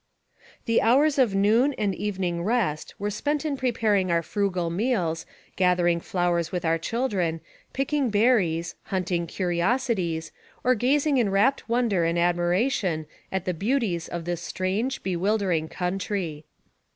The hours of noon and evening rest were spent in preparing our frugal meals, gathering flowers with our children, picking berries, hunting curiosities, or gazing in wrapt wonder and admiration at the beauties of this strange, bewildering country.